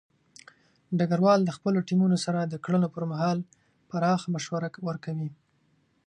ډګروال د خپلو ټیمونو سره د کړنو پر مهال پراخه مشوره ورکوي.